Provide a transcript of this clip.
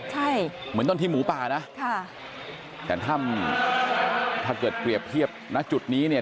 ใช่เหมือนตอนที่หมูป่านะค่ะแต่ถ้ำถ้าเกิดเปรียบเทียบณจุดนี้เนี่ย